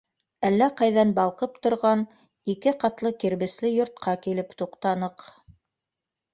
Әллә ҡайҙан балҡып торған ике ҡатлы кирбесле йортҡа килеп туҡтаныҡ.